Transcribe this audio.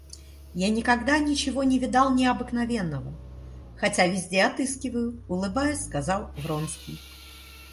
Я никогда ничего не видал необыкновенного, хотя везде отыскиваю, — улыбаясь сказал Вронский.